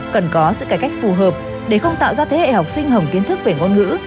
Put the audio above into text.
cần có sự cải cách phù hợp để không tạo ra thế hệ học sinh hồng kiến thức về ngôn ngữ